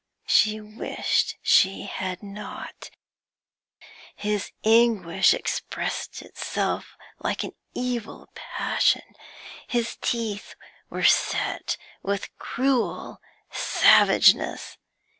She wished she had not; his anguish expressed itself like an evil passion; his teeth were set with a cruel savageness.